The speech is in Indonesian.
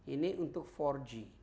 ini untuk empat g